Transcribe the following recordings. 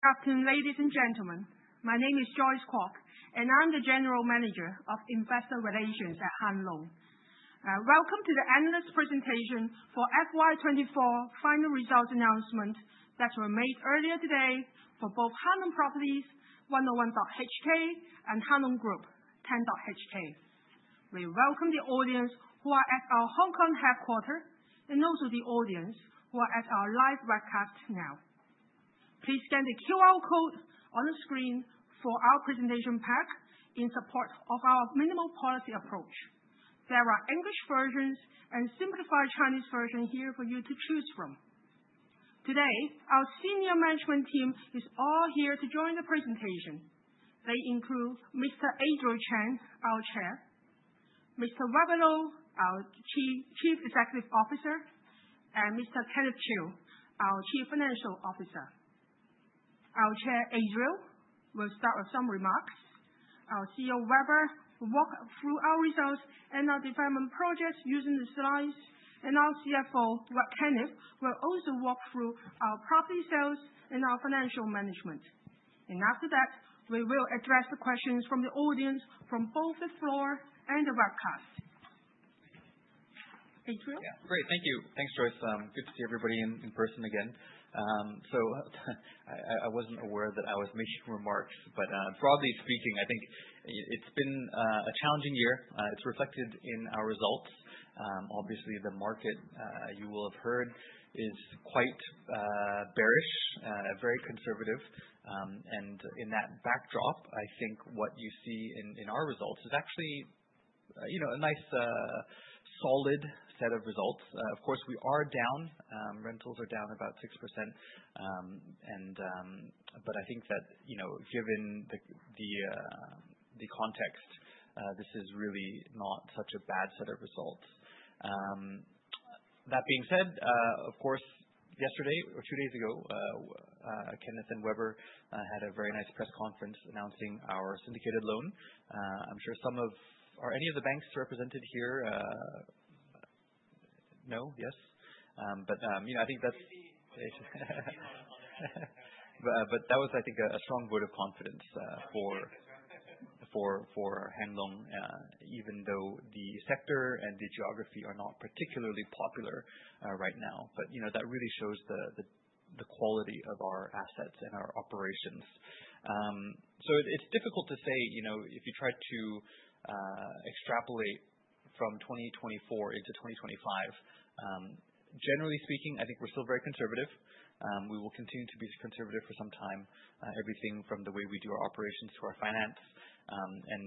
Good afternoon, ladies and gentlemen. My name is Joyce Kwock, and I'm the General Manager of Investor Relations at Hang Lung. Welcome to the analyst presentation for FY 2024 final results announcement that were made earlier today for both Hang Lung Properties 0101.HK and Hang Lung Group 0010.HK. We welcome the audience who are at our Hong Kong headquarters and also the audience who are at our live webcast now. Please scan the QR code on the screen for our presentation pack in support of our minimal policy approach. There are English versions and a simplified Chinese version here for you to choose from. Today, our senior management team is all here to join the presentation. They include Mr. Adriel Chan, our Chair; Mr. Weber Lo, our Chief Executive Officer; and Mr. Kenneth Chiu, our Chief Financial Officer. Our Chair Adriel will start with some remarks. Our CEO, Weber, will walk through our results and our development projects using the slides, and our CFO, Kenneth, will also walk through our property sales and our financial management, and after that, we will address the questions from the audience from both the floor and the webcast. Adriel? Yeah, great. Thank you. Thanks, Joyce. Good to see everybody in person again. So I wasn't aware that I was making remarks, but broadly speaking, I think it's been a challenging year. It's reflected in our results. Obviously, the market, you will have heard, is quite bearish, very conservative. And in that backdrop, I think what you see in our results is actually a nice, solid set of results. Of course, we are down. Rentals are down about 6%. But I think that, given the context, this is really not such a bad set of results. That being said, of course, yesterday or two days ago, Kenneth and Weber had a very nice press conference announcing our syndicated loan. I'm sure some of or any of the banks represented here know, yes? But I think that's. Maybe on the right. But that was, I think, a strong vote of confidence for Hang Lung, even though the sector and the geography are not particularly popular right now. But that really shows the quality of our assets and our operations. So it's difficult to say if you try to extrapolate from 2024 into 2025. Generally speaking, I think we're still very conservative. We will continue to be conservative for some time, everything from the way we do our operations to our finance. And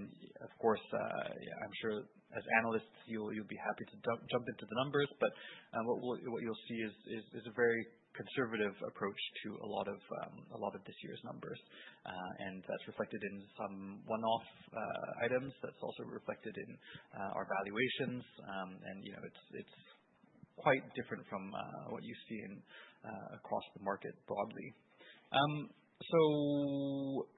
of course, I'm sure as analysts, you'll be happy to jump into the numbers. But what you'll see is a very conservative approach to a lot of this year's numbers. And that's reflected in some one-off items. That's also reflected in our valuations. And it's quite different from what you see across the market broadly. So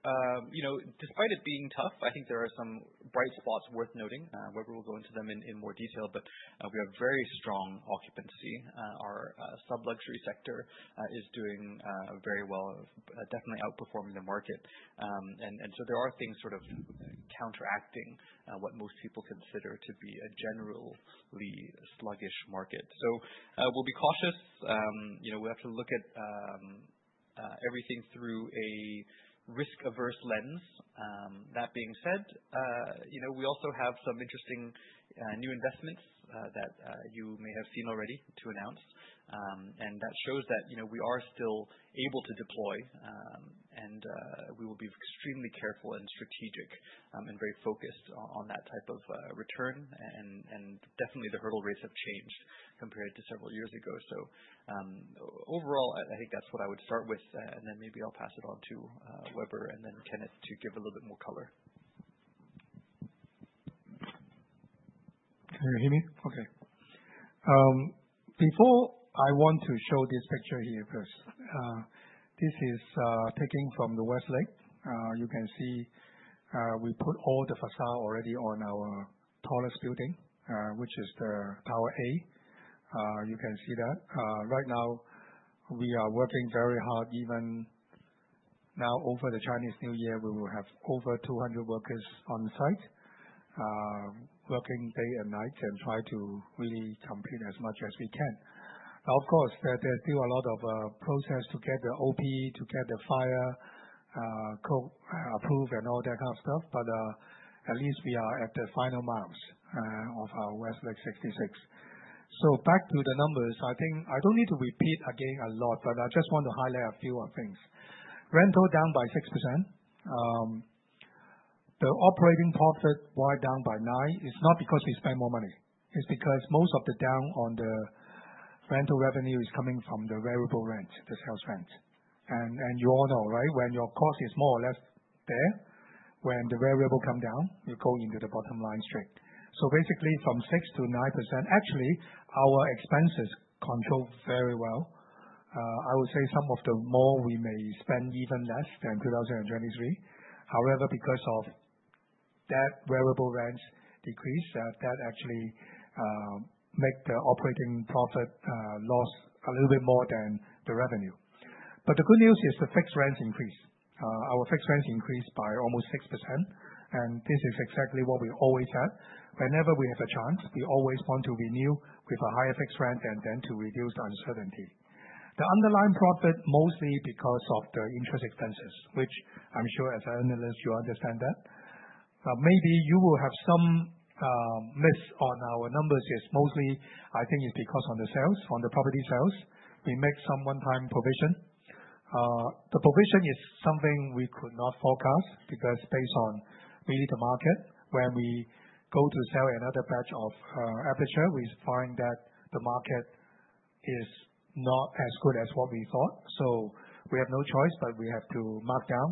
despite it being tough, I think there are some bright spots worth noting. Weber will go into them in more detail, but we have very strong occupancy. Our sub-luxury sector is doing very well, definitely outperforming the market. And so there are things sort of counteracting what most people consider to be a generally sluggish market. So we'll be cautious. We have to look at everything through a risk-averse lens. That being said, we also have some interesting new investments that you may have seen already to announce. And that shows that we are still able to deploy, and we will be extremely careful and strategic and very focused on that type of return. And definitely, the hurdle rates have changed compared to several years ago. So overall, I think that's what I would start with. And then maybe I'll pass it on to Weber and then Kenneth to give a little bit more color. Can you hear me? Okay. Before I want to show this picture here, first, this is taken from the West Lake. You can see we put all the facade already on our tallest building, which is the Tower A. You can see that. Right now, we are working very hard. Even now, over the Chinese New Year, we will have over 200 workers on site, working day and night and try to really compete as much as we can. Now, of course, there's still a lot of process to get the OP, to get the fire code approved and all that kind of stuff. But at least we are at the final miles of our Westlake 66. So back to the numbers, I think I don't need to repeat again a lot, but I just want to highlight a few things. Rental down by 6%. The operating profit went down by 9%. It's not because we spend more money. It's because most of the downturn in the rental revenue is coming from the variable rent, the sales rent. And you all know, right? When your cost is more or less there, when the variable come down, you go into the bottom line straight. So basically, from 6% to 9%, actually, our expenses control very well. I would say some of the more we may spend even less than 2023. However, because of that variable rents decrease, that actually makes the operating profit loss a little bit more than the revenue. But the good news is the fixed rents increase. Our fixed rents increased by almost 6%. And this is exactly what we always had. Whenever we have a chance, we always want to renew with a higher fixed rent and then to reduce the uncertainty. The underlying profit, mostly because of the interest expenses, which I'm sure as an analyst, you understand that. Maybe you will have some miss on our numbers. It's mostly, I think, it's because on the sales, on the property sales, we make some one-time provision. The provision is something we could not forecast because based on really the market, when we go to sell another batch of Aperture, we find that the market is not as good as what we thought. So we have no choice, but we have to mark down,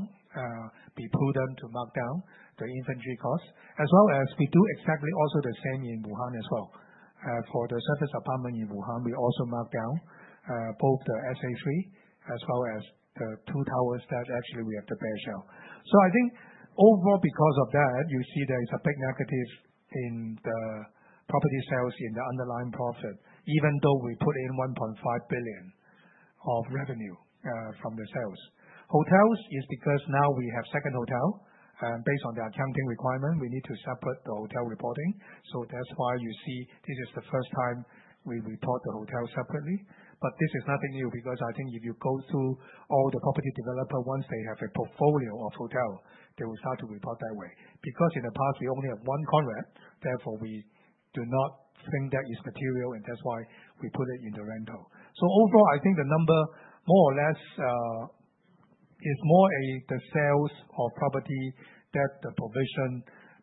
be prudent to mark down the inventory cost. As well as we do exactly also the same in Wuhan as well. For the service apartment in Wuhan, we also mark down both the SA3 as well as the two towers that actually we have the bare shell. So I think overall, because of that, you see there is a big negative in the property sales in the underlying profit, even though we put in 1.5 billion of revenue from the sales. Hotels is because now we have second hotel. And based on the accounting requirement, we need to separate the hotel reporting. So that's why you see this is the first time we report the hotel separately. But this is nothing new because I think if you go through all the property developer, once they have a portfolio of hotel, they will start to report that way. Because in the past, we only have one Conrad. Therefore, we do not think that is material, and that's why we put it in the rental. Overall, I think the number more or less is more the sales of property that the provision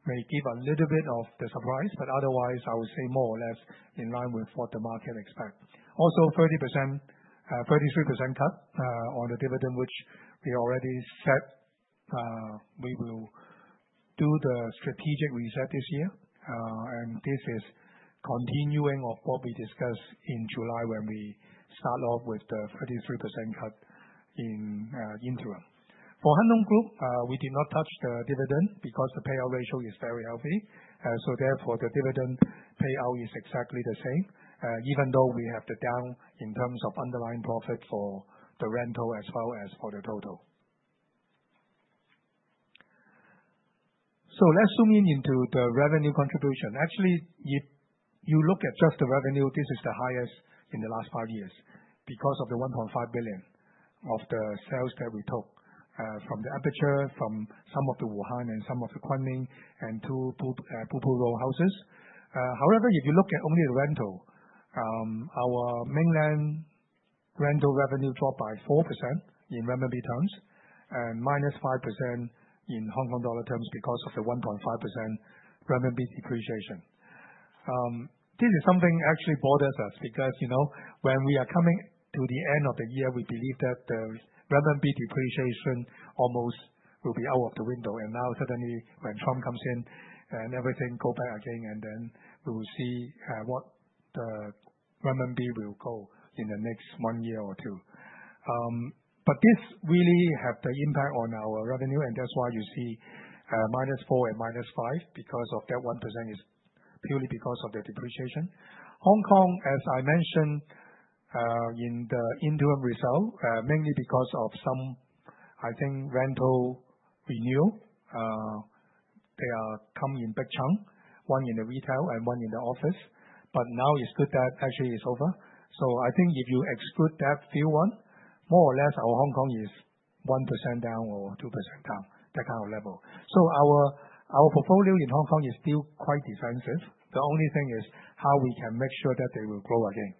may give a little bit of the surprise. Otherwise, I would say more or less in line with what the market expect. 30%, 33% cut on the dividend, which we already said we will do the strategic reset this year. This is continuing of what we discussed in July when we start off with the 33% cut in interim. For Hang Lung Group, we did not touch the dividend because the payout ratio is very healthy. Therefore, the dividend payout is exactly the same, even though we have the down in terms of underlying profit for the rental as well as for the total. Let's zoom in into the revenue contribution. Actually, if you look at just the revenue, this is the highest in the last five years because of the 1.5 billion of the sales that we took from The Aperture, from some of the Wuhan and some of the Kunming and two Blue Pool Road houses. However, if you look at only the rental, our Mainland rental revenue dropped by 4% in renminbi terms and -5% in Hong Kong dollar terms because of the 1.5% renminbi depreciation. This is something actually bothers us because when we are coming to the end of the year, we believe that the renminbi depreciation almost will be out of the window, and now, suddenly, when Trump comes in and everything goes back again, and then we will see what the renminbi will go in the next one year or two. But this really has the impact on our revenue, and that's why you see -4% and -5% because that 1% is purely because of the depreciation. Hong Kong, as I mentioned in the interim result, mainly because of some, I think, rental renewal. They are come in big chunks, one in the retail and one in the office. But now it's good that actually it's over. So I think if you exclude that few ones, more or less, our Hong Kong is 1% down or 2% down, that kind of level. So our portfolio in Hong Kong is still quite defensive. The only thing is how we can make sure that they will grow again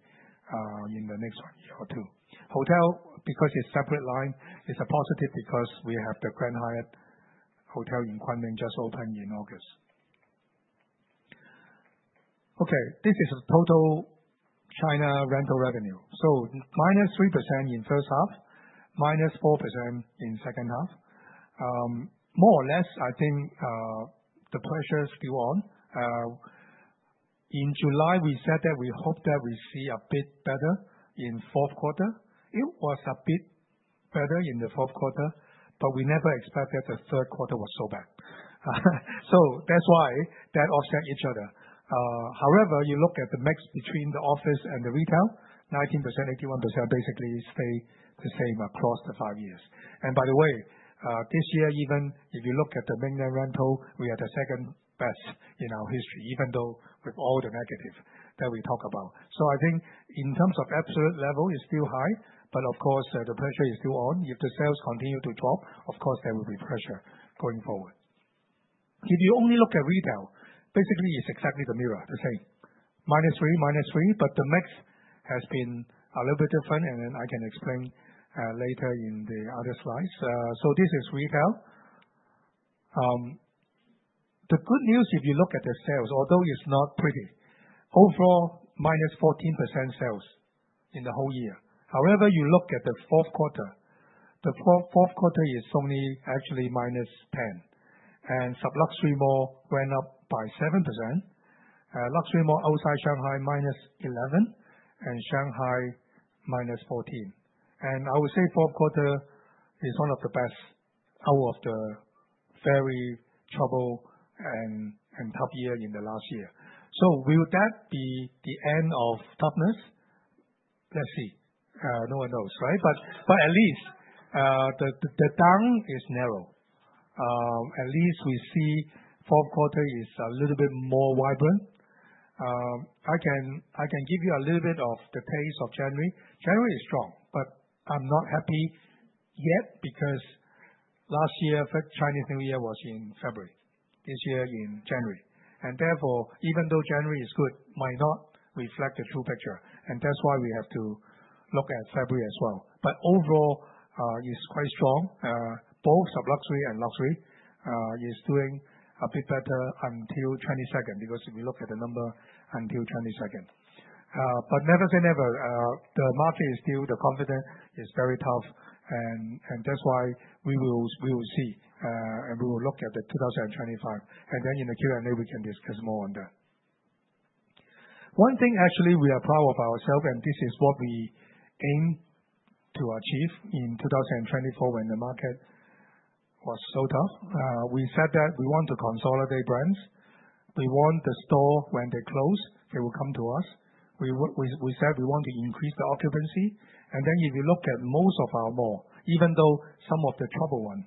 in the next one year or two. Hotel, because it's separate line, is a positive because we have the Grand Hyatt Hotel in Kunming just opened in August. Okay, this is total China rental revenue, so -3% in first half, -4% in second half. More or less, I think the pressure is still on. In July, we said that we hope that we see a bit better in fourth quarter. It was a bit better in the fourth quarter, but we never expected the third quarter was so bad, so that's why that offset each other. However, you look at the mix between the office and the retail, 19%, 81% basically stay the same across the five years, and by the way, this year, even if you look at the Mainland rental, we are the second best in our history, even though with all the negative that we talk about, so I think in terms of absolute level, it's still high, but of course, the pressure is still on. If the sales continue to drop, of course, there will be pressure going forward. If you only look at retail, basically, it's exactly the mirror, the same, -3%, -3%. But the mix has been a little bit different, and then I can explain later in the other slides. So this is retail. The good news, if you look at the sales, although it's not pretty, overall, -14% sales in the whole year. However, you look at the fourth quarter, the fourth quarter is only actually -10%. And sub-luxury mall went up by 7%. Luxury mall outside Shanghai, -11%, and Shanghai, -14%. And I would say fourth quarter is one of the best out of the very trouble and tough year in the last year. So will that be the end of toughness? Let's see. No one knows, right? But at least the downturn is narrow. At least we see fourth quarter is a little bit more vibrant. I can give you a little bit of the taste of January. January is strong, but I'm not happy yet because last year, Chinese New Year was in February. This year in January. And therefore, even though January is good, might not reflect the true picture. And that's why we have to look at February as well. But overall, it's quite strong. Both sub-luxury and luxury is doing a bit better until 22nd because if we look at the number until 22nd. But never say never. The market is still, the confidence is very tough. And that's why we will see and we will look at the 2025. And then in the Q&A, we can discuss more on that. One thing, actually, we are proud of ourselves, and this is what we aim to achieve in 2024 when the market was so tough. We said that we want to consolidate brands. We want the store when they close, they will come to us. We said we want to increase the occupancy. And then if you look at most of our mall, even though some of the trouble one,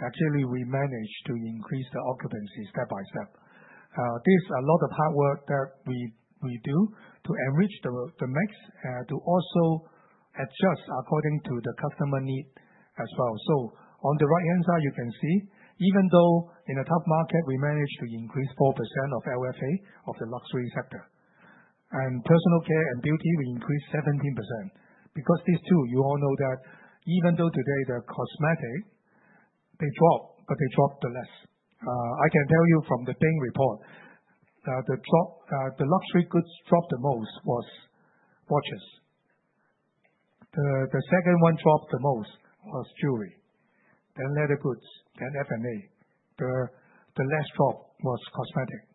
actually we managed to increase the occupancy step by step. There's a lot of hard work that we do to enrich the mix and to also adjust according to the customer need as well. So on the right-hand side, you can see even though in a tough market, we managed to increase 4% of LFA of the luxury sector. And Personal Care and Beauty, we increased 17%. Because these two, you all know that even though today the cosmetics, they dropped, but they dropped the least. I can tell you from the Bain report, the luxury goods dropped the most was watches. The second one dropped the most was jewelry, then leather goods, then F&A. The last drop was cosmetics,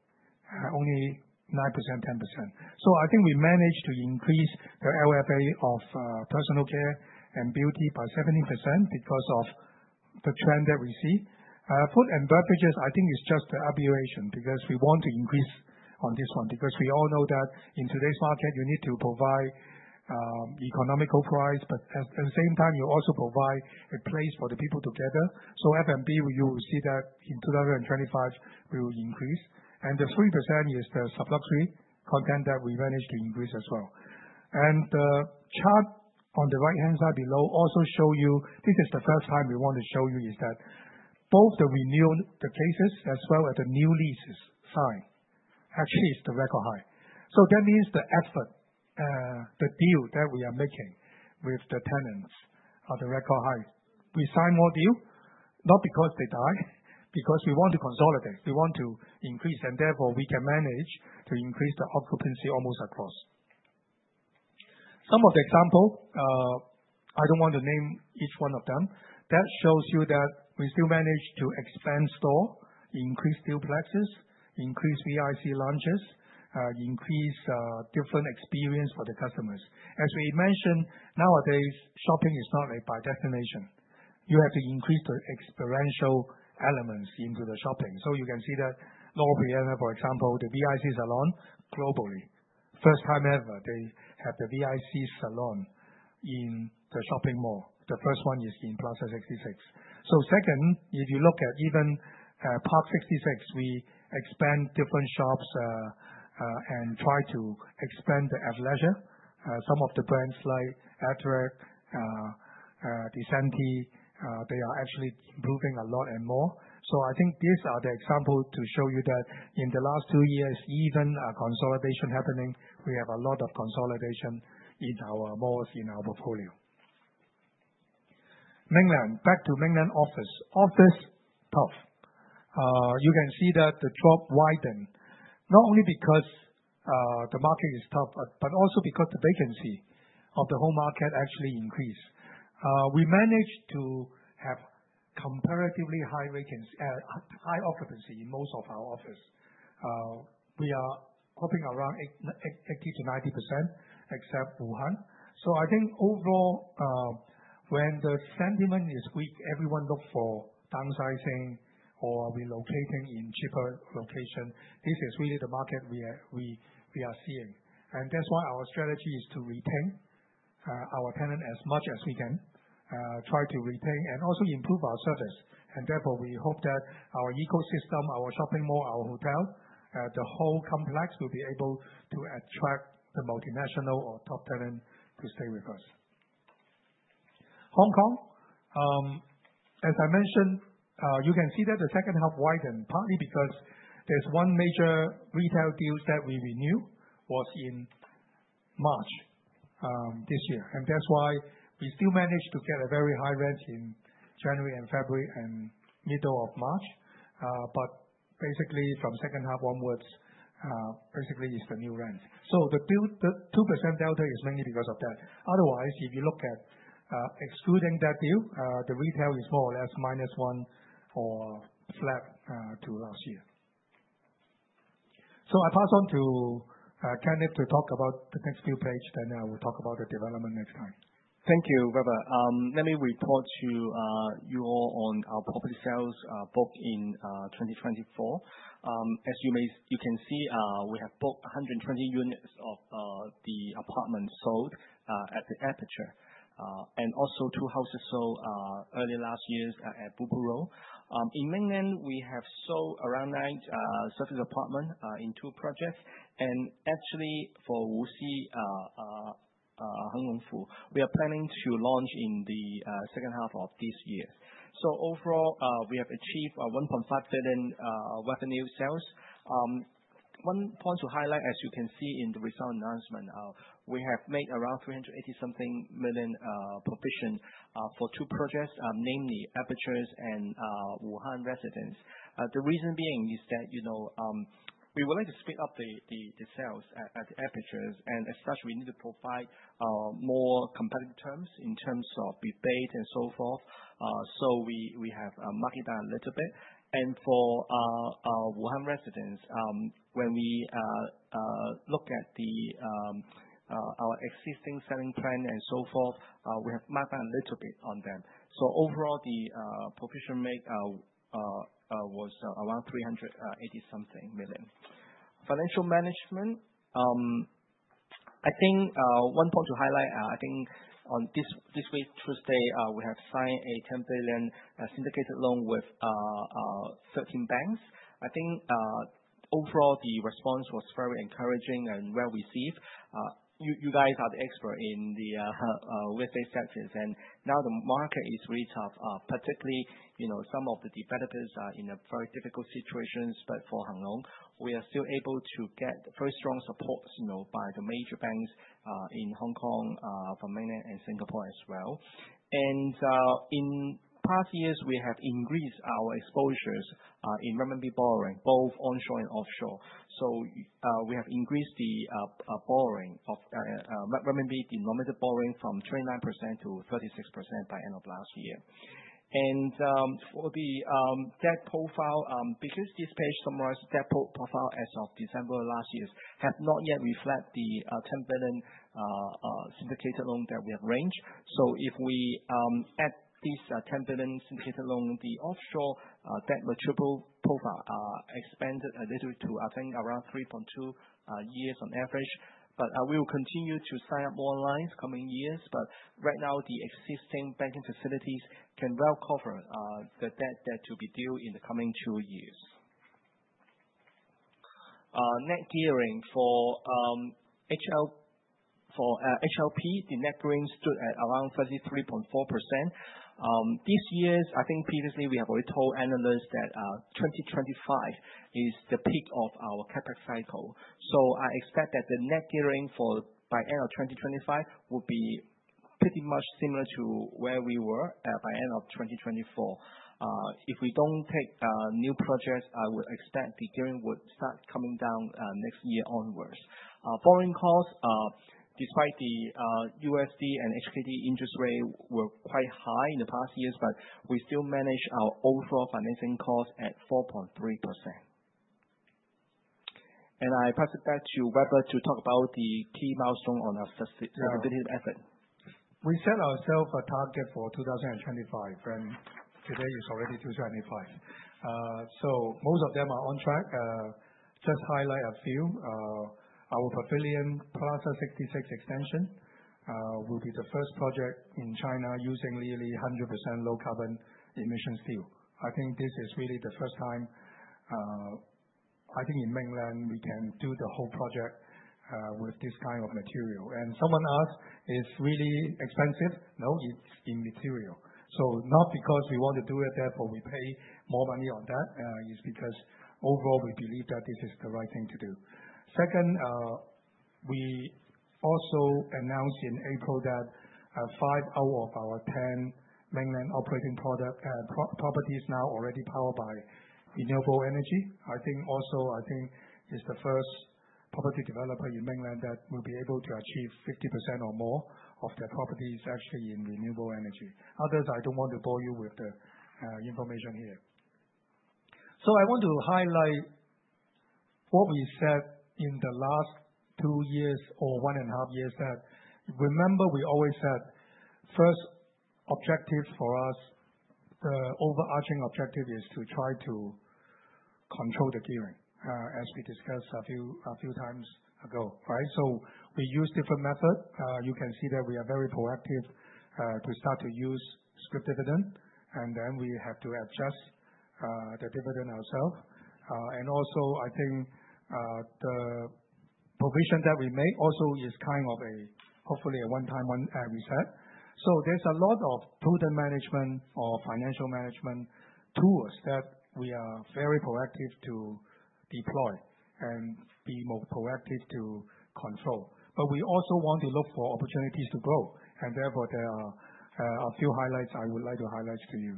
only 9%, 10%. So I think we managed to increase the LFA of Personal Care and Beauty by 17% because of the trend that we see. Food and beverages, I think it's just the allocation because we want to increase on this one because we all know that in today's market, you need to provide economical prices, but at the same time, you also provide a place for the people to gather. So F&B, you will see that in 2025, we will increase. And the 3% is the sub-luxury content that we managed to increase as well. The chart on the right-hand side below also shows you. This is the first time we want to show you, that both the renewal cases, as well as the new leases signed, actually it's the record high. So that means the effort, the deal that we are making with the tenants are the record high. We sign more deal, not because they die, because we want to consolidate. We want to increase, and therefore, we can manage to increase the occupancy almost across. Some of the examples, I don't want to name each one of them. That shows you that we still manage to expand store, increase duplexes, increase VIC lounges, increase different experience for the customers. As we mentioned, nowadays, shopping is not by destination. You have to increase the experiential elements into the shopping. You can see that Loro Piana, for example, the VIC Salon globally, first time ever they have the VIC Salon in the shopping mall. The first one is in Plaza 66. Second, if you look at even Park 66, we expand different shops and try to expand the athleisure. Some of the brands like Arc'teryx, DESCENTE, they are actually improving a lot and more. I think these are the examples to show you that in the last two years, even consolidation happening, we have a lot of consolidation in our malls in our portfolio. Mainland, back to Mainland office. Office tough. You can see that the drop widen, not only because the market is tough, but also because the vacancy of the whole market actually increased. We managed to have comparatively high occupancy in most of our office. We are hoping around 80%-90%, except Wuhan. So I think overall, when the sentiment is weak, everyone looks for downsizing or relocating in cheaper location. This is really the market we are seeing. And that's why our strategy is to retain our tenant as much as we can, try to retain and also improve our service. And therefore, we hope that our ecosystem, our shopping mall, our hotel, the whole complex will be able to attract the multinational or top tenant to stay with us. Hong Kong, as I mentioned, you can see that the second half widen, partly because there's one major retail deal that we renew was in March this year. And that's why we still managed to get a very high rent in January and February and middle of March. But basically, from second half onwards, basically it's the new rent. So the 2% delta is mainly because of that. Otherwise, if you look at excluding that deal, the retail is more or less -1 or flat to last year. So I pass on to Kenneth to talk about the next few pages. Then I will talk about the development next time. Thank you, Weber. Let me report to you all on our property sales book in 2024. As you can see, we have booked 120 units of the apartments sold at The Aperture and also two houses sold early last year at Blue Pool Road. In Mainland China, we have sold around nine serviced apartments in two projects. And actually, for Wuxi Hang Lung Fu, we are planning to launch in the second half of this year. So overall, we have achieved 1.5 billion revenue sales. One point to highlight, as you can see in the results announcement, we have made around 380-something million provision for two projects, namely Aperture and Wuhan residences. The reason being is that we would like to speed up the sales at the Aperture. And as such, we need to provide more competitive terms in terms of deposit and so forth. So we have marked down a little bit. And for Wuhan residences, when we look at our existing selling plan and so forth, we have marked down a little bit on them. So overall, the provision made was around 380-something million. Financial management, I think one point to highlight, I think on Tuesday this week, we have signed a 10 billion syndicated loan with 13 banks. I think overall, the response was very encouraging and well received. You guys are the experts in the real estate sector. And now the market is really tough, particularly some of the developers are in a very difficult situation. But for Hang Lung, we are still able to get very strong support by the major banks in Hong Kong, for Mainland and Singapore as well. And in past years, we have increased our exposures in renminbi borrowing, both onshore and offshore. So we have increased the borrowing of renminbi denominated borrowing from 29%-36% by end of last year. And for the debt profile, because this page summarized debt profile as of December last year, have not yet reflected the 10 billion syndicated loan that we have raised. So if we add this 10 billion syndicated loan, the offshore debt maturity profile extended a little bit to, I think, around 3.2 years on average. But we will continue to sign up more lines coming years. But right now, the existing banking facilities can well cover the debt that to be due in the coming two years. Net gearing for HLP, the net gearing stood at around 33.4%. This year, I think previously we have already told analysts that 2025 is the peak of our CapEx cycle. So I expect that the net gearing by end of 2025 will be pretty much similar to where we were by end of 2024. If we don't take new projects, I would expect the gearing would start coming down next year onwards. Borrowing costs, despite the USD and HKD interest rate were quite high in the past years, but we still manage our overall financing cost at 4.3%. And I pass it back to Weber to talk about the key milestone on our sustainability effort. We set ourselves a target for 2025, and today is already 2025. Most of them are on track. Just highlight a few. Our Pavilion Plaza 66 extension will be the first project in China using nearly 100% low carbon emission steel. I think this is really the first time, I think in Mainland, we can do the whole project with this kind of material. Someone asked, is really expensive? No, it's immaterial. Not because we want to do it, therefore we pay more money on that. It's because overall, we believe that this is the right thing to do. Second, we also announced in April that five out of our 10 Mainland operating properties now already powered by renewable energy. I think also, I think it's the first property developer in Mainland that will be able to achieve 50% or more of their properties actually in renewable energy. Others, I don't want to bore you with the information here. So I want to highlight what we said in the last two years or one and a half years that remember we always said first objective for us, the overarching objective is to try to control the gearing as we discussed a few times ago, right? So we use different methods. You can see that we are very proactive to start to use scrip dividend, and then we have to adjust the dividend ourselves. And also, I think the provision that we make also is kind of a, hopefully, a one-time reset. So there's a lot of prudent management or financial management tools that we are very proactive to deploy and be more proactive to control. But we also want to look for opportunities to grow. And therefore, there are a few highlights I would like to highlight to you.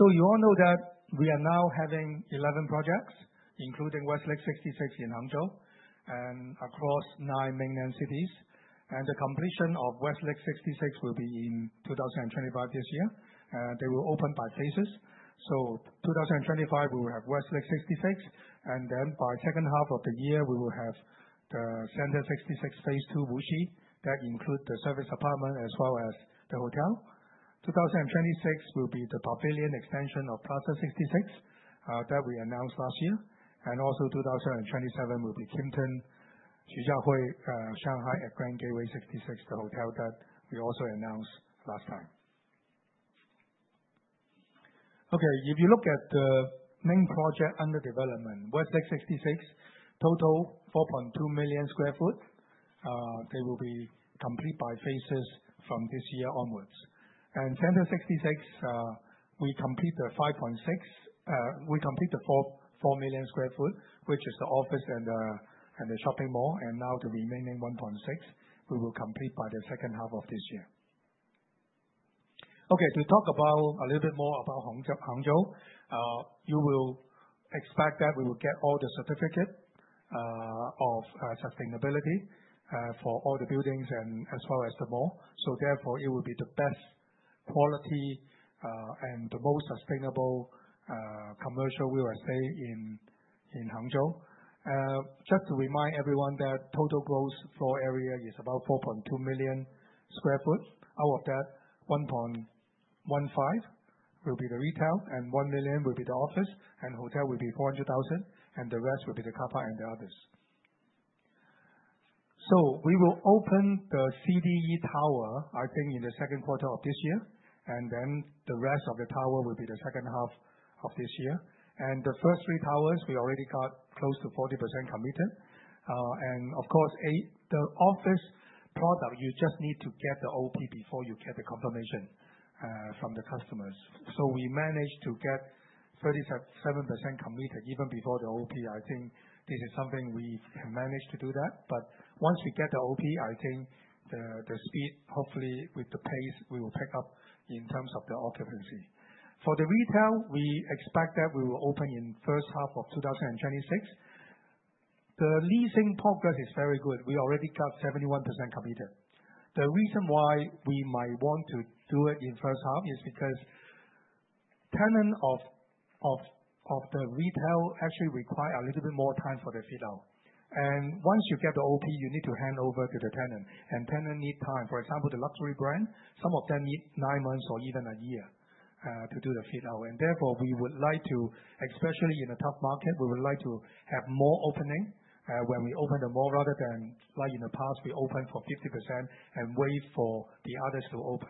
You all know that we are now having 11 projects, including Westlake 66 in Hangzhou and across nine Mainland cities. The completion of Westlake 66 will be in 2025 this year. They will open by phases. In 2025, we will have Westlake 66. By second half of the year, we will have the Center 66 Phase 2 Wuxi that includes the service apartment as well as the hotel. 2026 will be the Pavilion extension of Plaza 66 that we announced last year. Also 2027 will be Kimpton Xujiahui Shanghai at Grand Gateway 66, the hotel that we also announced last time. Okay, if you look at the main project under development, Westlake 66, total 4.2 million sq ft. They will be complete by phases from this year onwards. Center 66, we complete the 5.6, we complete the 4 million sq ft, which is the office and the shopping mall. Now the remaining 1.6, we will complete by the second half of this year. Okay, to talk about a little bit more about Hangzhou, you will expect that we will get all the certificate of sustainability for all the buildings and as well as the mall. Therefore, it will be the best quality and the most sustainable commercial real estate in Hangzhou. Just to remind everyone that total gross floor area is about 4.2 million sq ft. Out of that, 1.15 will be the retail and 1 million will be the office, and hotel will be 400,000, and the rest will be the car park and the others. We will open the CDE Tower, I think, in the second quarter of this year. Then the rest of the tower will be the second half of this year. The first three towers, we already got close to 40% committed. Of course, the office product, you just need to get the OP before you get the confirmation from the customers. We managed to get 37% committed even before the OP. I think this is something we can manage to do that. Once we get the OP, I think the speed, hopefully with the pace, we will pick up in terms of the occupancy. For the retail, we expect that we will open in the first half of 2026. The leasing progress is very good. We already got 71% committed. The reason why we might want to do it in the first half is because tenant of the retail actually requires a little bit more time for the fit out. Once you get the OP, you need to hand over to the tenant. Tenants need time. For example, the luxury brands, some of them need nine months or even a year to do the fit out. Therefore, we would like to, especially in a tough market, have more openings when we open the mall rather than, like in the past, open for 50% and wait for the others to open.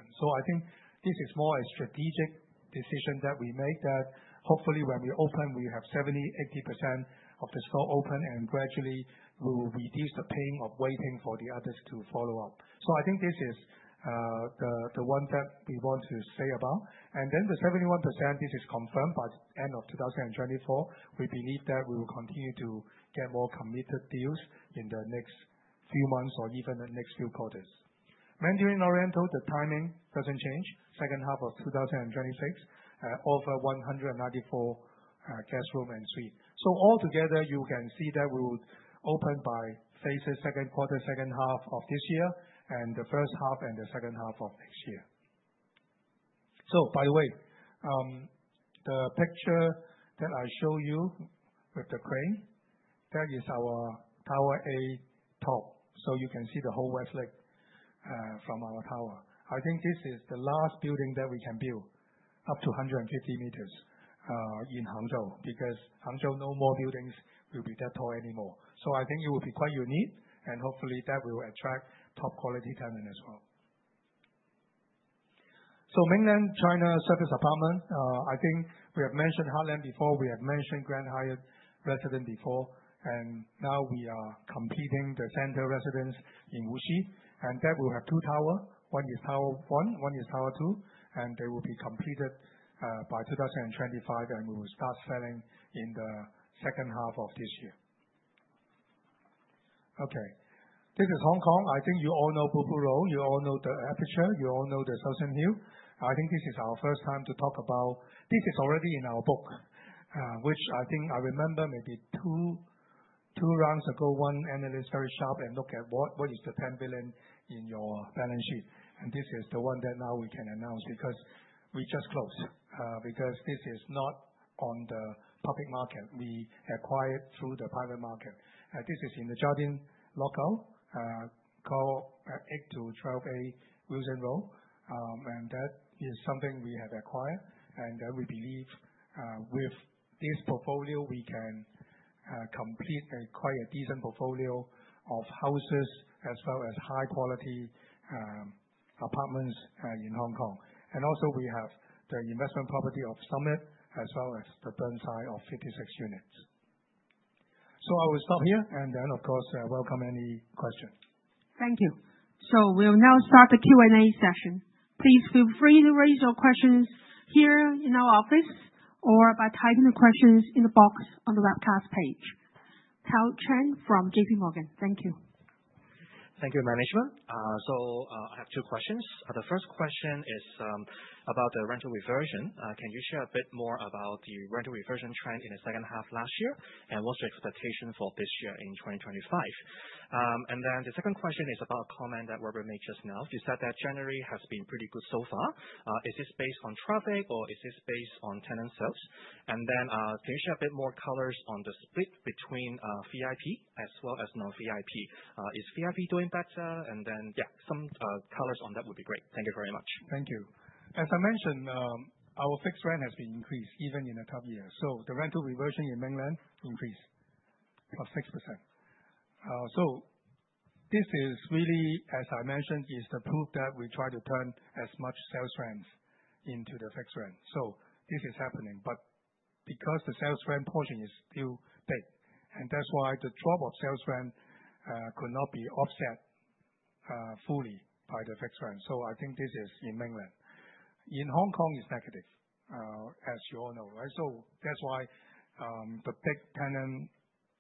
This is more a strategic decision that we make so that hopefully when we open, we have 70%-80% of the stores open and gradually reduce the pain of waiting for the others to follow up. This is the only one that we want to say about. Then the 71% is confirmed by the end of 2024. We believe that we will continue to get more committed deals in the next few months or even the next few quarters. Mandarin Oriental, the timing doesn't change. Second half of 2026, over 194 guest rooms and suites. So altogether, you can see that we will open by phases, second quarter, second half of this year, and the first half and the second half of next year. So by the way, the picture that I show you with the crane, that is our Tower A top. So you can see the whole Westlake from our tower. I think this is the last building that we can build up to 150 m in Hangzhou because Hangzhou, no more buildings will be that tall anymore. So I think it will be quite unique. And hopefully that will attract top quality tenant as well. Mainland China service apartment, I think we have mentioned Heartland before. We have mentioned Grand Hyatt Residences before. And now we are completing the Center Residences in Wuxi. And that will have two towers. One is Tower 1, one is Tower 2. And they will be completed by 2025. And we will start selling in the second half of this year. Okay, this is Hong Kong. I think you all know Blue Pool Road. You all know The Aperture. You all know Shouson Hill. I think this is our first time to talk about. This is already in our book, which I think I remember maybe two rounds ago, one analyst very sharp and look at what is the 10 billion in your balance sheet. And this is the one that now we can announce because we just closed because this is not on the public market. We acquired through the private market. This is in the Jardine locale called 8-12A Wilson Road. And that is something we have acquired. And then we believe with this portfolio, we can complete quite a decent portfolio of houses as well as high quality apartments in Hong Kong. And also we have the investment property of Summit as well as the Burnside of 56 units. So I will stop here. And then of course, welcome any question. Thank you. So we'll now start the Q&A session. Please feel free to raise your questions here in our office or by typing the questions in the box on the webcast page. Terry Chen from JPMorgan. Thank you. Thank you, management. So I have two questions. The first question is about the rental reversion. Can you share a bit more about the rental reversion trend in the second half last year? What's your expectation for this year in 2025? The second question is about a comment that Weber made just now. You said that January has been pretty good so far. Is this based on traffic or is this based on tenant sales? Can you share a bit more colors on the split between VIP as well as non-VIP? Is VIP doing better? Yeah, some colors on that would be great. Thank you very much. Thank you. As I mentioned, our fixed rent has been increased even in the tough year. The rental reversion in Mainland increased by 6%. This is really, as I mentioned, the proof that we try to turn as much sales rents into the fixed rent. This is happening. But because the sales rent portion is still big, and that's why the drop of sales rent could not be offset fully by the fixed rent. So I think this is in Mainland. In Hong Kong, it's negative, as you all know, right? So that's why the big tenant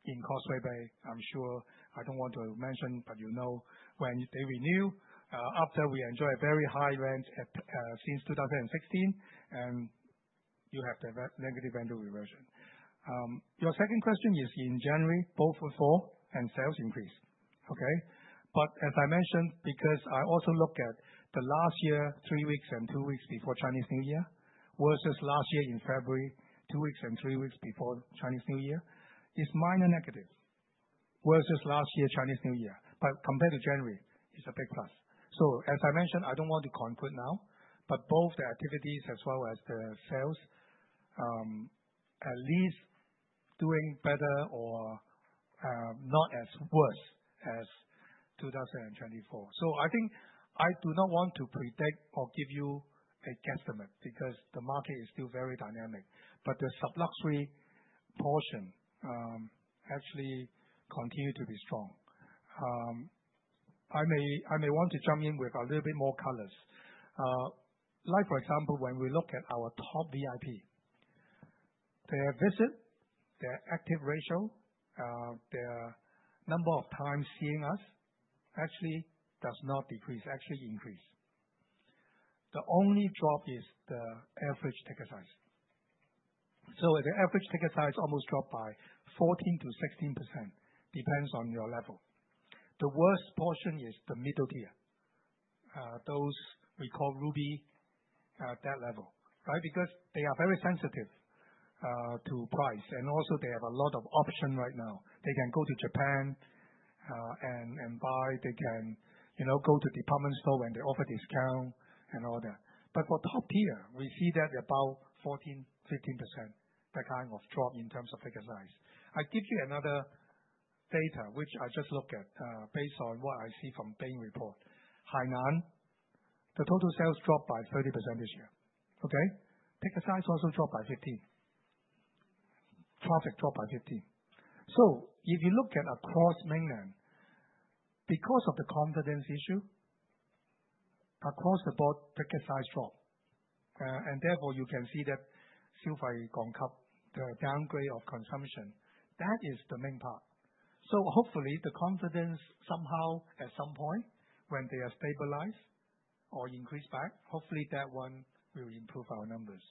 in Causeway Bay, I'm sure I don't want to mention, but you know when they renew, after we enjoy a very high rent since 2016, and you have the negative rental reversion. Your second question is in January, both footfall and sales increase, okay? But as I mentioned, because I also look at the last year, three weeks and two weeks before Chinese New Year versus last year in February, two weeks and three weeks before Chinese New Year, it's minor negative versus last year Chinese New Year. But compared to January, it's a big plus. So as I mentioned, I don't want to conclude now, but both the activities as well as the sales at least doing better or not as worse as 2024. So I think I do not want to predict or give you a guesstimate because the market is still very dynamic. But the sub-luxury portion actually continues to be strong. I may want to jump in with a little bit more colors. Like, for example, when we look at our top VIP, their visit, their active ratio, their number of times seeing us actually does not decrease, actually increase. The only drop is the average ticket size. So the average ticket size almost dropped by 14%-16%, depends on your level. The worst portion is the middle tier. Those we call Ruby, that level, right? Because they are very sensitive to price. And also they have a lot of options right now. They can go to Japan and buy. They can go to department store when they offer discount and all that. But for top tier, we see that about 14%-15%, that kind of drop in terms of ticket size. I give you another data which I just looked at based on what I see from Bain report. Hainan, the total sales dropped by 30% this year. Okay? Ticket size also dropped by 15%. Traffic dropped by 15%. So if you look at across Mainland, because of the confidence issue, across the board, ticket size dropped. And therefore you can see that downgrade of consumption. That is the main part. So hopefully the confidence somehow at some point when they are stabilized or increased back, hopefully that one will improve our numbers.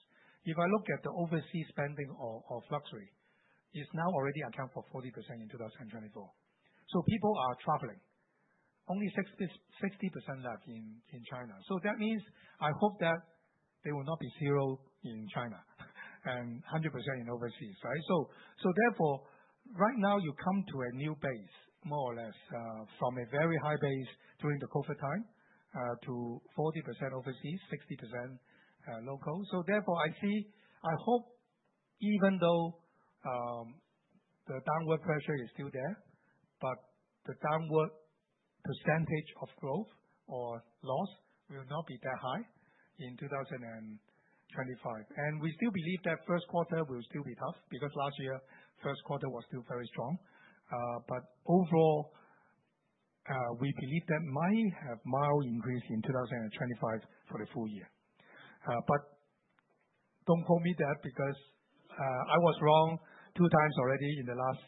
If I look at the overseas spending of luxury, it's now already accounted for 40% in 2024. So people are traveling. Only 60% left in China. So that means I hope that they will not be zero in China and 100% in overseas, right? So therefore right now you come to a new base, more or less, from a very high base during the COVID time to 40% overseas, 60% local. So therefore I see, I hope even though the downward pressure is still there, but the downward percentage of growth or loss will not be that high in 2025. And we still believe that first quarter will still be tough because last year first quarter was still very strong. But overall, we believe that might have mild increase in 2025 for the full year. But don't quote me on that because I was wrong two times already in the last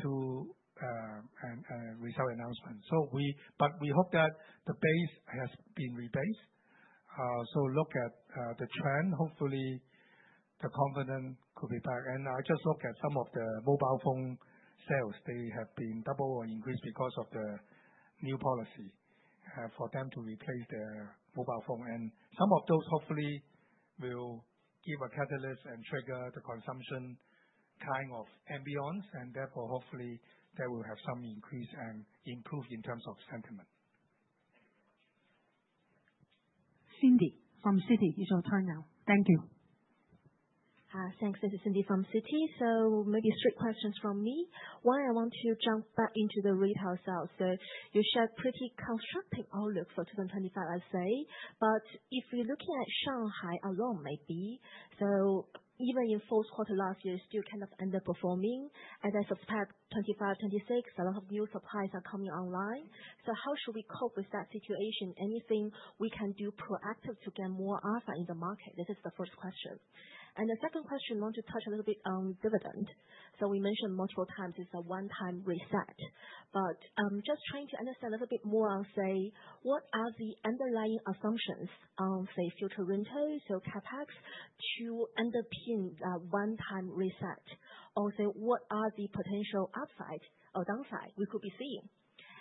two resale announcements. But we hope that the base has been rebased. So look at the trend. Hopefully the confidence could be back. And I just look at some of the mobile phone sales. They have been double or increased because of the new policy for them to replace their mobile phone. And some of those hopefully will give a catalyst and trigger the consumption kind of ambiance. And therefore hopefully that will have some increase and improve in terms of sentiment. Cindy from Citi, you should turn now. Thank you. Thanks. This is Cindy from Citi. So maybe straight questions from me. Why I want to jump back into the retail sales. So you shared a pretty constructive outlook for 2025, I'd say. But if we're looking at Shanghai alone, maybe, so even in fourth quarter last year, it's still kind of underperforming. As I suspect, 2025, 2026, a lot of new supplies are coming online. So how should we cope with that situation? Anything we can do proactive to get more alpha in the market? This is the first question. And the second question, I want to touch a little bit on dividend. So we mentioned multiple times it's a one-time reset. But just trying to understand a little bit more on, say, what are the underlying assumptions on, say, future rentals, so CapEx, to underpin that one-time reset? Also, what are the potential upside or downside we could be seeing?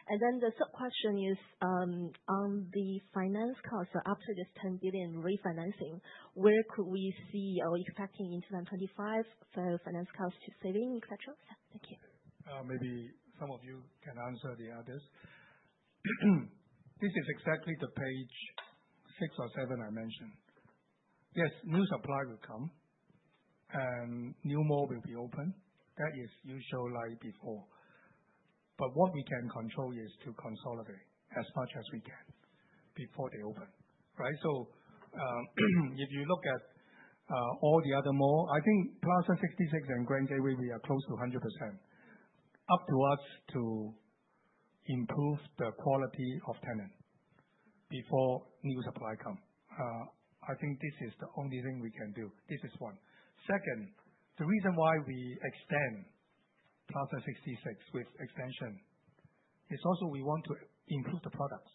And then the third question is on the finance cost. So after this 10 billion refinancing, where could we see or expecting in 2025 for finance cost to save in, etc.? Thank you. Maybe some of you can answer the others. This is exactly the page six or seven I mentioned. Yes, new supply will come and new mall will be open. That is usual like before. But what we can control is to consolidate as much as we can before they open, right? So if you look at all the other mall, I think Plaza 66 and Grand Gateway, we are close to 100%. Up to us to improve the quality of tenant before new supply come. I think this is the only thing we can do. This is one. Second, the reason why we extend Plaza 66 with extension is also we want to improve the products,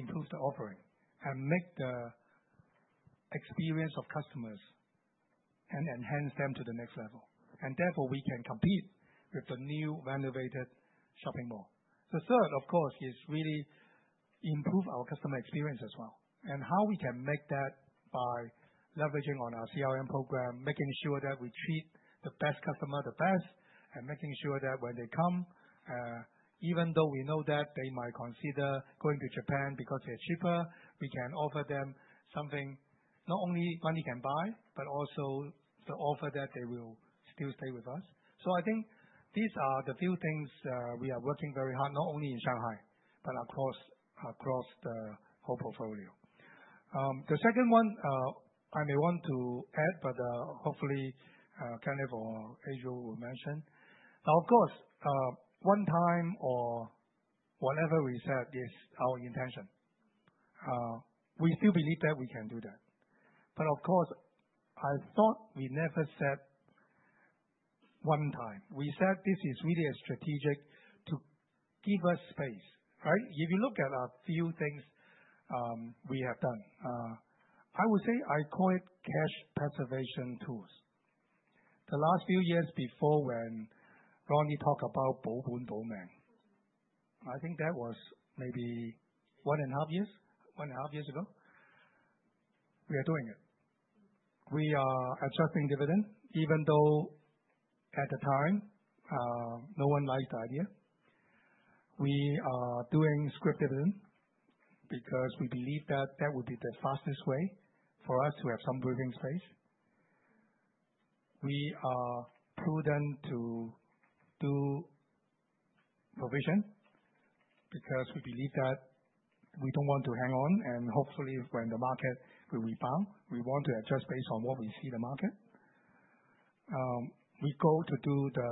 improve the offering, and make the experience of customers and enhance them to the next level, and therefore we can compete with the new renovated shopping mall. The third, of course, is really improve our customer experience as well. And how we can make that by leveraging on our CRM program, making sure that we treat the best customer the best, and making sure that when they come, even though we know that they might consider going to Japan because they're cheaper, we can offer them something not only money can buy, but also the offer that they will still stay with us. So I think these are the few things we are working very hard, not only in Shanghai, but across the whole portfolio. The second one I may want to add, but hopefully Ken or Adriel will mention. Now, of course, one-time or whatever we said is our intention. We still believe that we can do that. But of course, I thought we never said one-time. We said this is really a strategy to give us space, right? If you look at a few things we have done, I would say I call it cash preservation tools. The last few years before when Ronnie talked about bond buyback. I think that was maybe one and a half years ago. We are doing it. We are adjusting dividend, even though at the time no one liked the idea. We are doing scrip dividend because we believe that that would be the fastest way for us to have some breathing space. We are prudent to do provision because we believe that we don't want to hang on, and hopefully when the market will rebound, we want to adjust based on what we see the market. We go to do the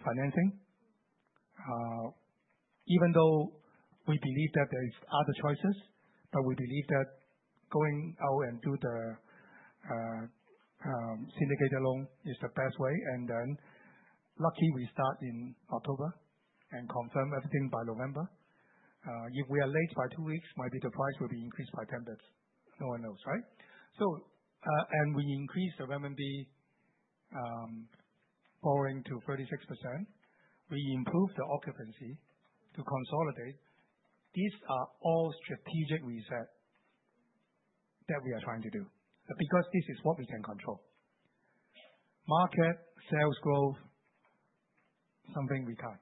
financing, even though we believe that there are other choices, but we believe that going out and do the syndicated loan is the best way. And then luckily we start in October and confirm everything by November. If we are late by two weeks, maybe the price will be increased by 10 basis points. No one knows, right? And we increase the revenue borrowing to 36%. We improve the occupancy to consolidate. These are all strategic reset that we are trying to do because this is what we can control. Market, sales growth, something we cut.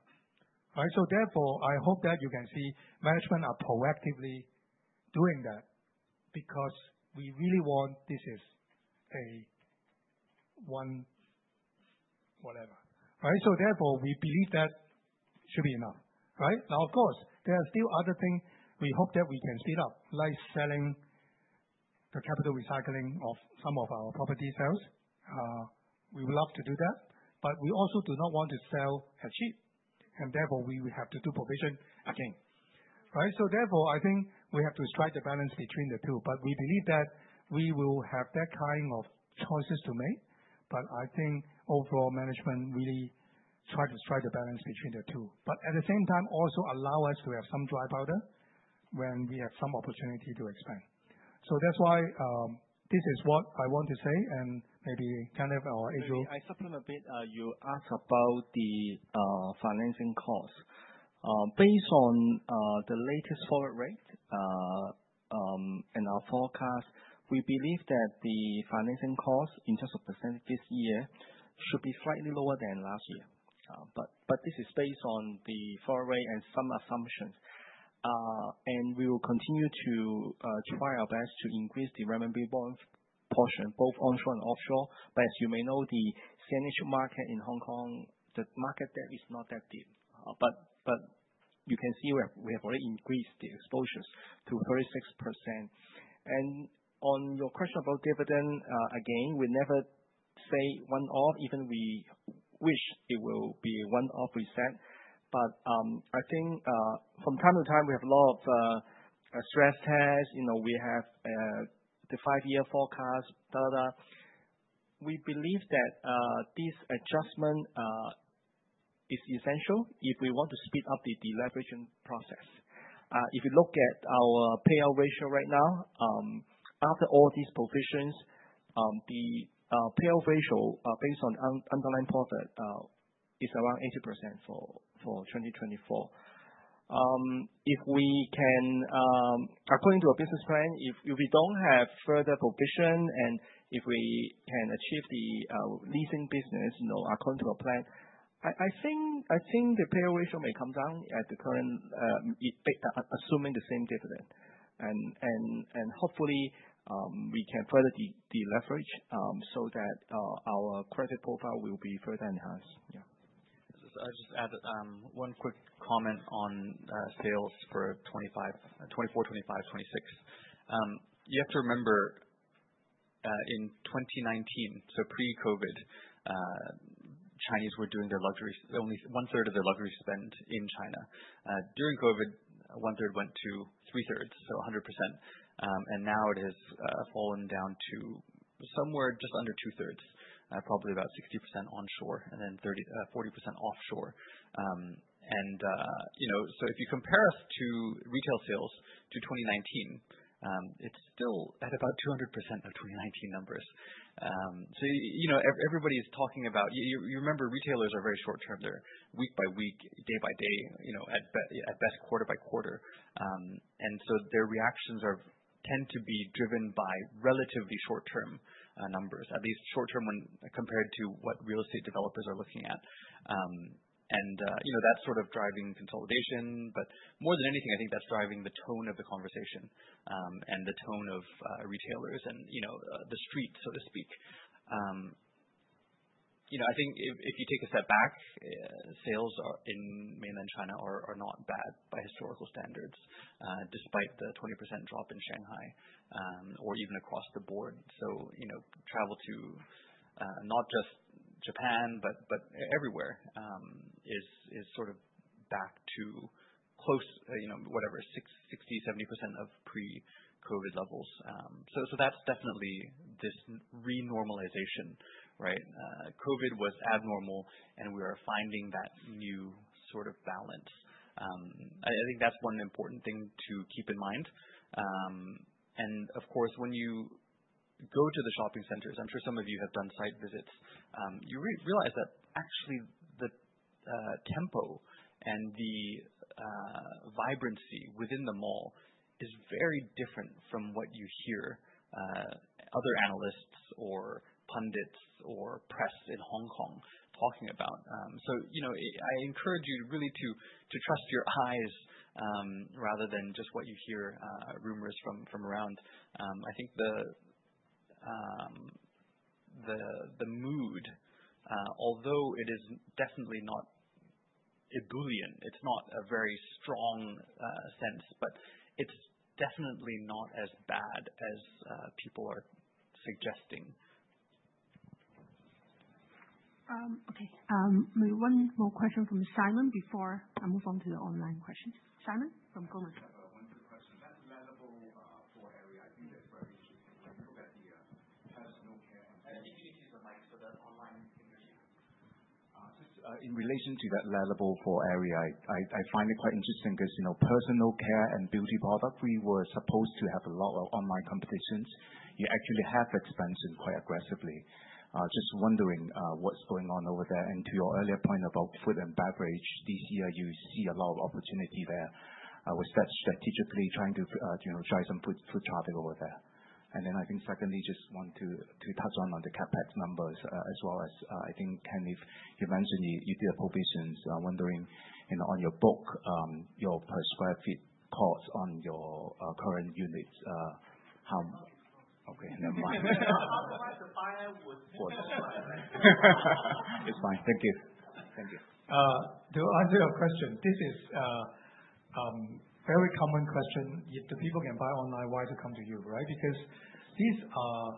So therefore I hope that you can see management are proactively doing that because we really want this is a one whatever, right? So therefore we believe that should be enough, right? Now, of course, there are still other things we hope that we can speed up, like selling the capital recycling of some of our property sales. We would love to do that, but we also do not want to sell at cheap, and therefore we will have to do provision again, right? Therefore I think we have to strike the balance between the two. We believe that we will have that kind of choices to make. Overall management really tries to strike the balance between the two, but at the same time, also allow us to have some dry powder when we have some opportunity to expand. That's why this is what I want to say, and maybe Kenneth or Adriel. I supplement a bit. You asked about the financing cost. Based on the latest forward rate and our forecast, we believe that the financing cost in terms of percentage this year should be slightly lower than last year. But this is based on the forward rate and some assumptions. And we will continue to try our best to increase the revenue portion, both onshore and offshore. But as you may know, the syndicated market in Hong Kong, the debt market is not that deep. But you can see we have already increased the exposures to 36%. And on your question about dividend, again, we never say one-off, even we wish it will be a one-off reset. But I think from time to time, we have a lot of stress tests. We have the five-year forecast, blah, blah, blah. We believe that this adjustment is essential if we want to speed up the deleveraging process. If you look at our payout ratio right now, after all these provisions, the payout ratio based on the underlying profit is around 80% for 2024. If we can, according to a business plan, if we don't have further provision and if we can achieve the leasing business according to a plan, I think the payout ratio may come down at the current, assuming the same dividend, and hopefully we can further deleverage so that our credit profile will be further enhanced. Yeah. I'll just add one quick comment on sales for 2024, 2025, 2026. You have to remember in 2019, so pre-COVID, Chinese were doing their luxury, only one-third of their luxury spend in China. During COVID, one-third went to three-thirds, so 100%. And now it has fallen down to somewhere just under two-thirds, probably about 60% onshore and then 40% offshore. If you compare us to retail sales to 2019, it's still at about 200% of 2019 numbers. Everybody is talking about, you remember, retailers are very short-term. They're week by week, day by day, at best quarter by quarter. Their reactions tend to be driven by relatively short-term numbers, at least short-term when compared to what real estate developers are looking at. That's sort of driving consolidation. But more than anything, I think that's driving the tone of the conversation and the tone of retailers and the streets, so to speak. If you take a step back, sales in Mainland China are not bad by historical standards, despite the 20% drop in Shanghai or even across the board. Travel to not just Japan, but everywhere is sort of back to close, whatever, 60%-70% of pre-COVID levels. So that's definitely this renormalization, right? COVID was abnormal, and we are finding that new sort of balance. I think that's one important thing to keep in mind. And of course, when you go to the shopping centers, I'm sure some of you have done site visits, you realize that actually the tempo and the vibrancy within the mall is very different from what you hear other analysts or pundits or press in Hong Kong talking about. So I encourage you really to trust your eyes rather than just what you hear rumors from around. I think the mood, although it is definitely not ebullient, it's not a very strong sense, but it's definitely not as bad as people are suggesting. Okay. Maybe one more question from Simon before I move on to the online questions. Simon from Goldman. One quick question. That Le Labo for area, I think that's very interesting. Can you look at the personal care? And if you can use the mic for the online interview. Just in relation to that Le Labo for area, I find it quite interesting because Personal Care and Beauty products, we were supposed to have a lot of online competitions. You actually have expanded quite aggressively. Just wondering what's going on over there. And to your earlier point about food and beverage, this year you see a lot of opportunity there. Was that strategically trying to drive some food traffic over there? And then I think secondly, just want to touch on the CapEx numbers as well as I think, Kenneth, you mentioned you did a provisions. I'm wondering on your book, your per square feet cost on your current units, how? Okay. Never mind. For that price, it's fine. It's fine. Thank you. Thank you. To answer your question, this is a very common question. If the people can buy online, why to come to you, right? Because these are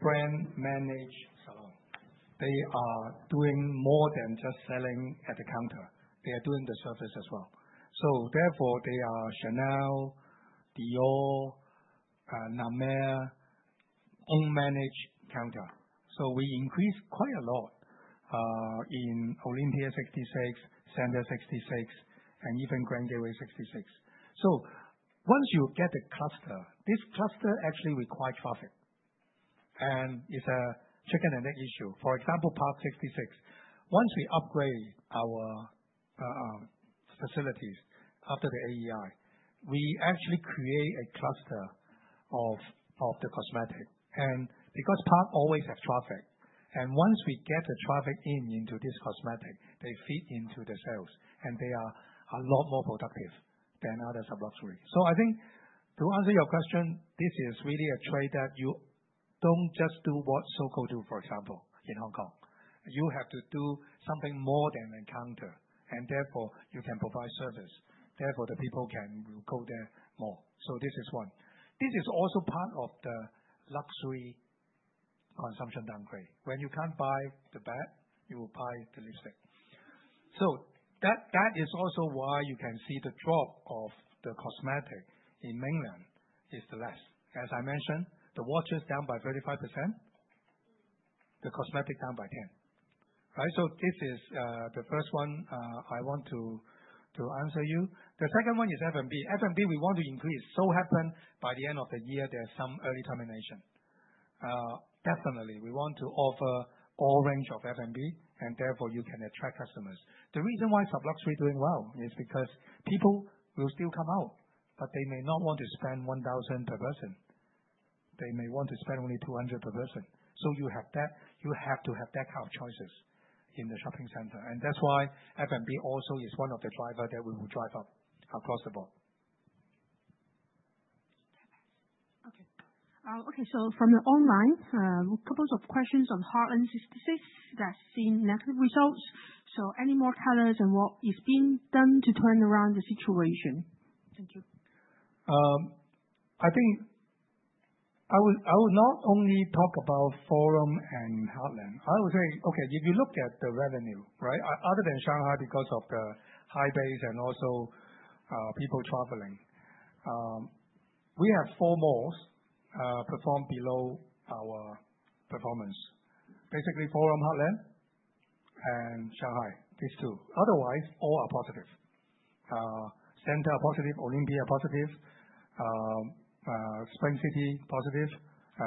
brand-managed salons. They are doing more than just selling at the counter. They are doing the service as well. So therefore they are Chanel, Dior, La Mer, own-managed counter. So we increased quite a lot in Olympia 66, Center 66, and even Grand Gateway 66. So once you get the cluster, this cluster actually requires traffic. And it's a chicken-and-egg issue. For example, Park 66, once we upgrade our facilities after the AEI, we actually create a cluster of the cosmetic. And because Park always has traffic, and once we get the traffic into this cosmetic, they feed into the sales, and they are a lot more productive than others of luxury. So I think to answer your question, this is really a trend that you don't just do what Sogo does, for example, in Hong Kong. You have to do something more than an encounter. And therefore you can provide service. Therefore the people can go there more. So this is one. This is also part of the luxury consumption downgrade. When you can't buy the bag, you will buy the lipstick. So that is also why you can see the drop of the cosmetics in Mainland is the least. As I mentioned, the watch is down by 35%, the cosmetics down by 10%. Right? So this is the first one I want to answer you. The second one is F&B. F&B, we want to increase. So happened by the end of the year, there's some early termination. Definitely, we want to offer all range of F&B, and therefore you can attract customers. The reason why luxury is doing well is because people will still come out, but they may not want to spend 1,000 per person. They may want to spend only 200 per person. So you have to have that kind of choices in the shopping center. And that's why F&B also is one of the drivers that we will drive up across the board. Okay. Okay. So from the online, a couple of questions on Heartland 66 that's seen negative results. So any more colors on what is being done to turn around the situation? Thank you. I think I would not only talk about Forum and Heartland. I would say, okay, if you look at the revenue, right, other than Shanghai because of the high base and also people traveling, we have four malls perform below our performance. Basically, Forum, Heartland, and Shanghai, these two. Otherwise, all are positive. Center are positive, Olympia are positive, Spring City positive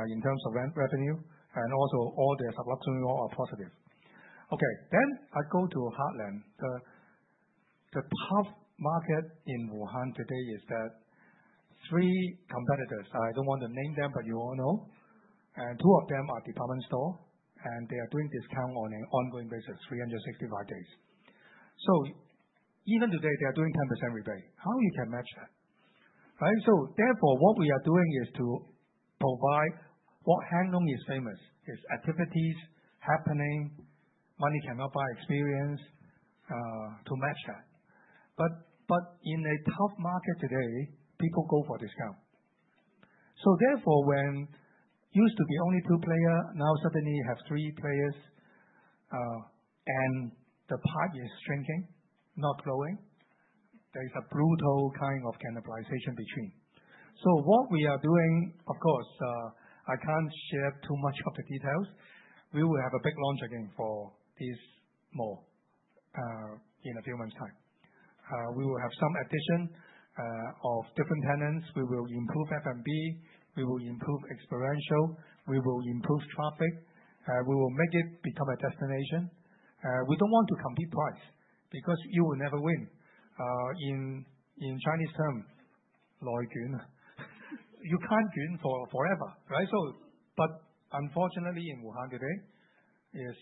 in terms of revenue, and also all their sub-lots in New York are positive. Okay, then I go to Heartland. The tough market in Wuhan today is that three competitors, I don't want to name them, but you all know, and two of them are department stores, and they are doing discount on an ongoing basis, 365 days. So even today, they are doing 10% rebate. How you can match that? Right? So therefore, what we are doing is to provide what Hang Lung is famous, is activities happening, money cannot buy experience to match that. But in a tough market today, people go for discount. So therefore, when it used to be only two players, now suddenly you have three players, and the pie is shrinking, not growing. There is a brutal kind of cannibalization between. So what we are doing, of course, I can't share too much of the details. We will have a big launch again for this mall in a few months' time. We will have some addition of different tenants. We will improve F&B. We will improve experiential. We will improve traffic. We will make it become a destination. We don't want to compete price because you will never win. In Chinese terms, nei juan, you can't win forever, right? But unfortunately, in Wuhan today, it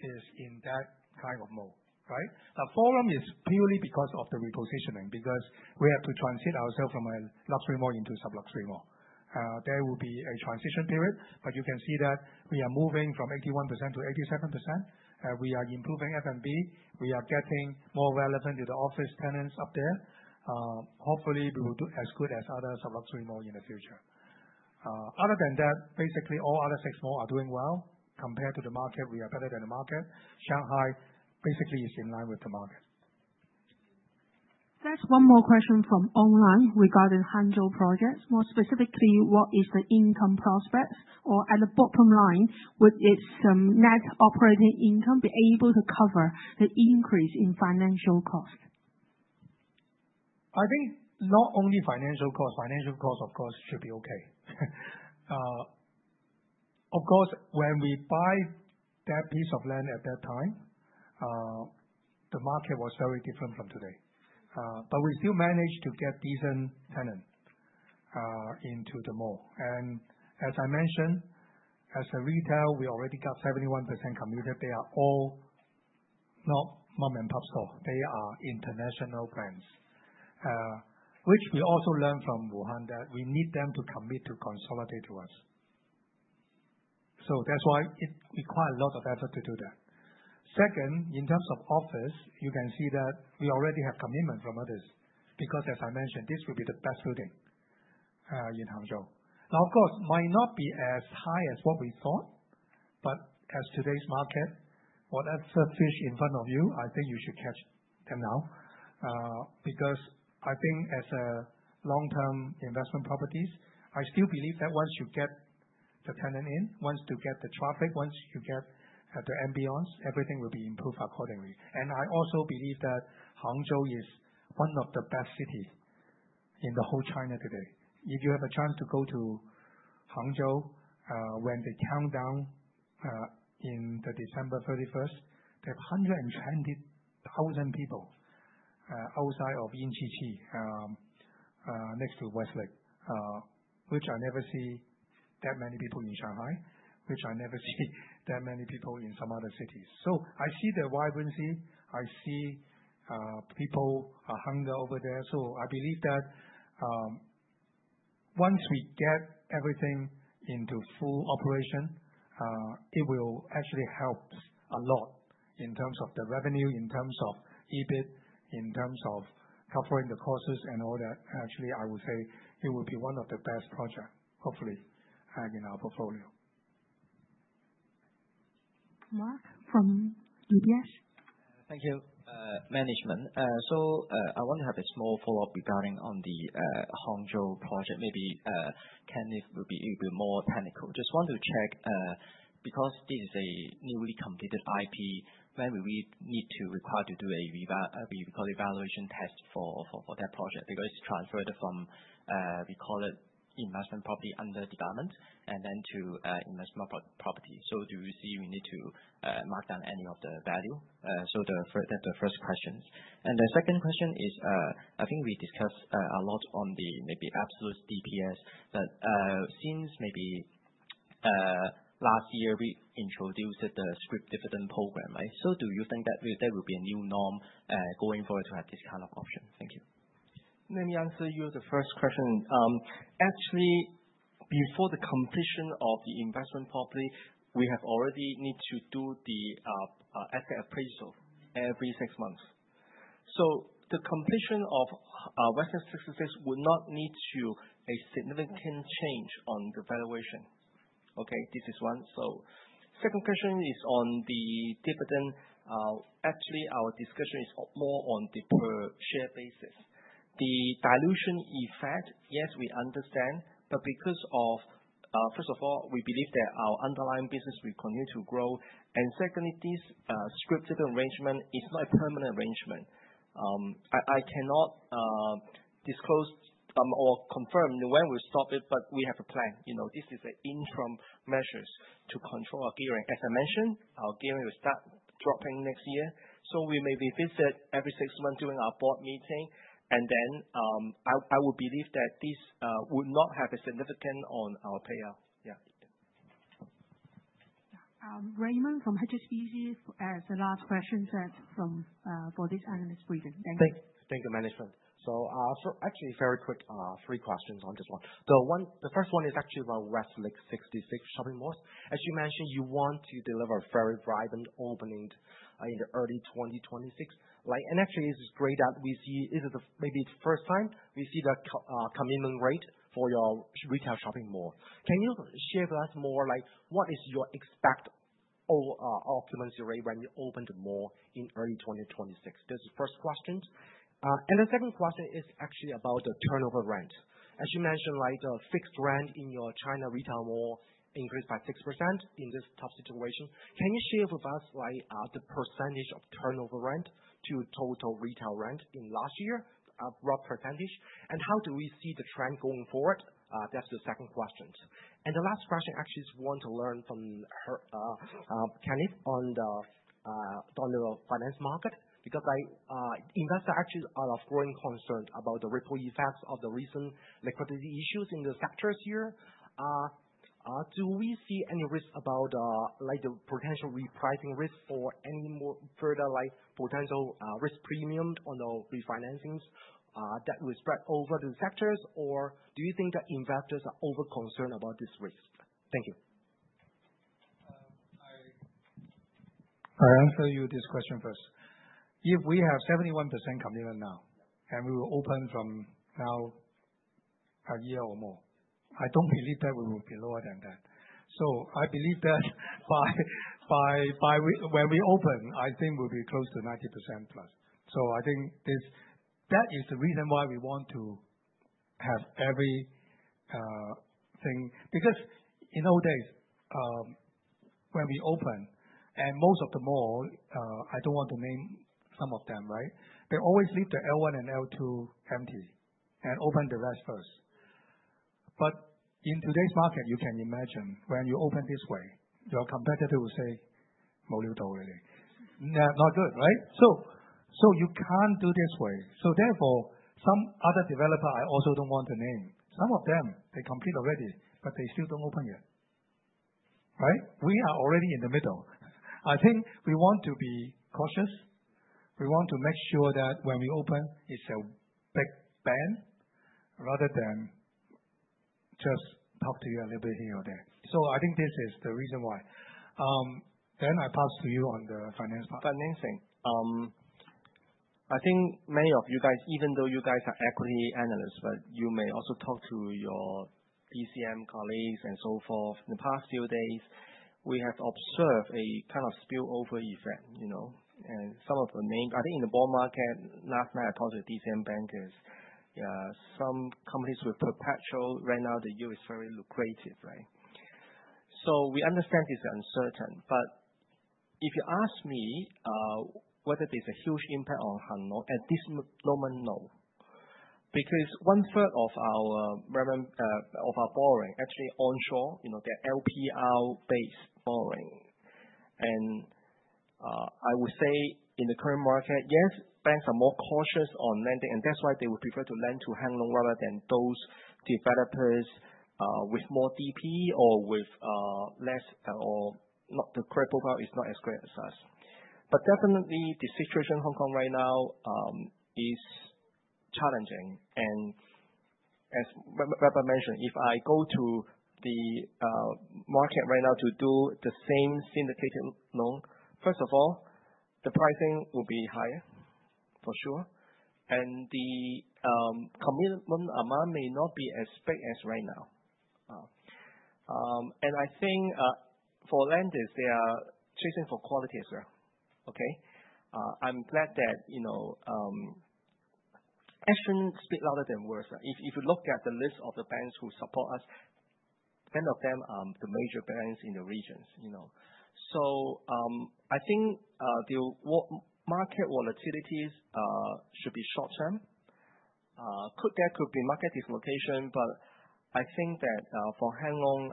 is in that kind of mode, right? Now, Forum is purely because of the repositioning because we have to transit ourselves from a luxury mall into a sub-luxury mall. There will be a transition period, but you can see that we are moving from 81%-87%. We are improving F&B. We are getting more relevant to the office tenants up there. Hopefully, we will do as good as other sub-luxury malls in the future. Other than that, basically all other six malls are doing well. Compared to the market, we are better than the market. Shanghai basically is in line with the market. That's one more question from online regarding Hangzhou projects. More specifically, what is the income prospects? Or at the bottom line, would its net operating income be able to cover the increase in financial cost? I think not only financial cost. Financial cost, of course, should be okay. Of course, when we buy that piece of land at that time, the market was very different from today. But we still managed to get decent tenants into the mall. And as I mentioned, as a retail, we already got 71% committed. They are all not mom-and-pop stores. They are international brands, which we also learned from Wuhan that we need them to commit to consolidate to us. So that's why it requires a lot of effort to do that. Second, in terms of office, you can see that we already have commitment from others because, as I mentioned, this will be the best building in Hangzhou. Now, of course, it might not be as high as what we thought, but as today's market, whatever fish in front of you, I think you should catch them now. Because I think as a long-term investment properties, I still believe that once you get the tenant in, once you get the traffic, once you get the ambiance, everything will be improved accordingly, and I also believe that Hangzhou is one of the best cities in the whole China today. If you have a chance to go to Hangzhou when the countdown in December 31st, they have 120,000 people outside of [Yintai City] next to Westlake, which I never see that many people in Shanghai, which I never see that many people in some other cities, so I see the vibrancy. I see people are hungry over there, so I believe that once we get everything into full operation, it will actually help a lot in terms of the revenue, in terms of EBIT, in terms of covering the costs and all that. Actually, I would say it will be one of the best projects, hopefully, in our portfolio. Mark from UBS. Thank you. Management. So I want to have a small follow-up regarding on the Hangzhou project. Maybe Kenneth will be a bit more technical. Just want to check because this is a newly completed IP, when will we need to require to do a we call evaluation test for that project because it's transferred from, we call it investment property under development and then to investment property. So do you see we need to mark down any of the value? So that's the first question. And the second question is, I think we discussed a lot on the maybe absolute DPS, but since maybe last year we introduced the Scrip Dividend Program, right? So do you think that there will be a new norm going forward to have this kind of option? Thank you. Let me answer you the first question. Actually, before the completion of the investment property, we have already need to do the asset appraisal every six months. So the completion of Westlake 66 would not need to a significant change on the valuation. Okay? This is one. So second question is on the dividend. Actually, our discussion is more on the per share basis. The dilution effect, yes, we understand, but because of first of all, we believe that our underlying business will continue to grow. And secondly, this Scrip Dividend arrangement is not a permanent arrangement. I cannot disclose or confirm when we'll stop it, but we have a plan. This is an interim measures to control our gearing. As I mentioned, our gearing will start dropping next year. So we may be visited every six months during our board meeting. And then I would believe that this would not have a significance on our payout. Yeah. Raymond from HSBC has the last question set for this analyst briefing. Thank you. Thank you, management. So actually, very quick three questions on this one. The first one is actually about Westlake 66 shopping malls. As you mentioned, you want to deliver a very vibrant opening in the early 2026. And actually, it's great that we see this is maybe the first time we see the commitment rate for your retail shopping mall. Can you share with us more what is your expected occupancy rate when you open the mall in early 2026? This is the first question. And the second question is actually about the turnover rent. As you mentioned, the fixed rent in your China retail mall increased by 6% in this tough situation. Can you share with us the percentage of turnover rent to total retail rent in last year, a rough percentage? And how do we see the trend going forward? That's the second question. And the last question actually is one to learn from Kenneth on the finance market because investors actually are of growing concern about the ripple effects of the recent liquidity issues in the sectors here. Do we see any risk about the potential repricing risk for any more further potential risk premium on the refinancings that will spread over the sectors, or do you think that investors are over-concerned about this risk? Thank you. I answer you this question first. If we have 71% commitment now, and we will open from now a year or more, I don't believe that we will be lower than that. So I believe that by when we open, I think we'll be close to 90%+. So I think that is the reason why we want to have everything because in those days, when we open and most of the mall, I don't want to name some of them, right? They always leave the L1 and L2 empty and open the rest first. But in today's market, you can imagine when you open this way, your competitor will say, "Mo liu dou really." Not good, right? So you can't do this way. So therefore, some other developer I also don't want to name. Some of them, they complete already, but they still don't open yet. Right? We are already in the middle. I think we want to be cautious. We want to make sure that when we open, it's a big bang rather than just talk to you a little bit here or there. So I think this is the reason why. Then I pass to you on the finance. Financing. I think many of you guys, even though you guys are equity analysts, but you may also talk to your DCM colleagues and so forth. In the past few days, we have observed a kind of spillover effect. And some of the names, I think in the bond market, last night I talked to DCM bankers, some companies with perpetual. Right now, the yield is very lucrative, right? So we understand it's uncertain. But if you ask me whether there's a huge impact on Hangzhou at this moment, no. Because one-third of our borrowing actually onshore, they're LPR-based borrowing. I would say in the current market, yes, banks are more cautious on lending, and that's why they would prefer to lend to Hangzhou rather than those developers with more DP or with less or not the credit profile is not as great as us. But definitely, the situation in Hong Kong right now is challenging. As Weber mentioned, if I go to the market right now to do the same syndicated loan, first of all, the pricing will be higher, for sure. The commitment amount may not be as big as right now. I think for lenders, they are chasing for quality as well. Okay? I'm glad that action speaks louder than words. If you look at the list of the banks who support us, many of them are the major banks in the regions. So I think the market volatilities should be short-term. There could be market dislocation, but I think that for Hang Lung,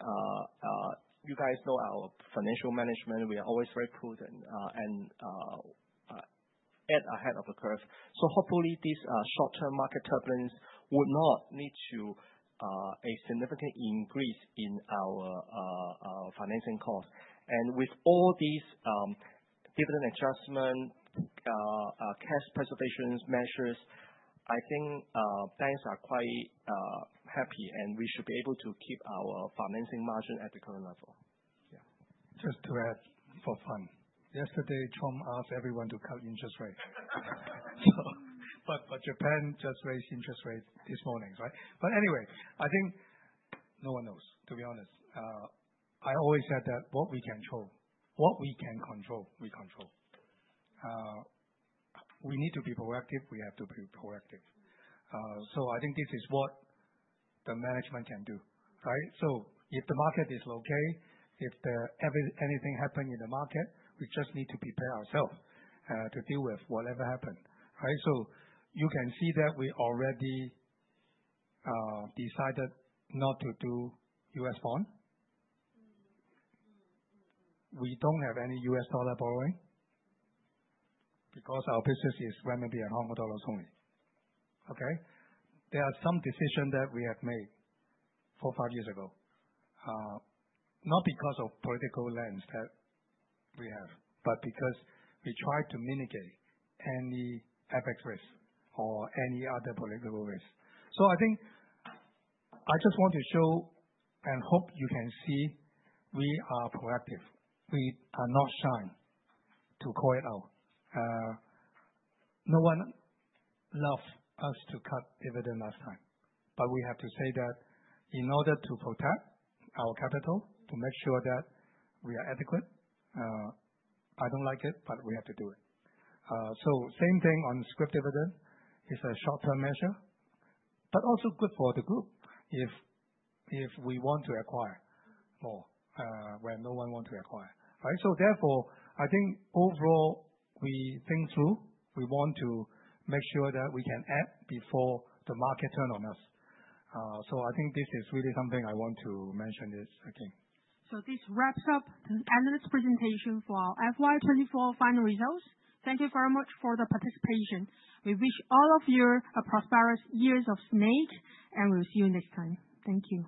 you guys know our financial management. We are always very prudent and ahead of the curve. So hopefully, these short-term market turbulence would not lead to a significant increase in our financing costs. And with all these dividend adjustment, cash preservation measures, I think banks are quite happy, and we should be able to keep our financing margin at the current level. Yeah. Just to add for fun, yesterday, Trump asked everyone to cut interest rates. But Japan just raised interest rates this morning, right? But anyway, I think no one knows, to be honest. I always said that what we can control, what we can control, we control. We need to be proactive. We have to be proactive. So I think this is what the management can do, right? So if the market is okay, if anything happens in the market, we just need to prepare ourselves to deal with whatever happens, right? So you can see that we already decided not to do U.S. bond. We don't have any U.S. dollar borrowing because our business is renminbi and Hong Kong dollars only. Okay? There are some decisions that we have made four, five years ago, not because of political lens that we have, but because we tried to mitigate any FX risk or any other political risk. So I think I just want to show and hope you can see we are proactive. We are not shy to call it out. No one loved us to cut dividend last time. But we have to say that in order to protect our capital, to make sure that we are adequate, I don't like it, but we have to do it. So same thing on Scrip Dividend. It's a short-term measure, but also good for the group if we want to acquire more when no one wants to acquire, right? So therefore, I think overall, we think through. We want to make sure that we can act before the market turns on us. So I think this is really something I want to mention this again. So this wraps up the analyst presentation for our FY 2024 final results. Thank you very much for the participation. We wish all of you a prosperous Year of the Snake, and we'll see you next time. Thank you.